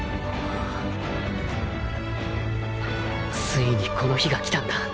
ついにこの日が来たんだ。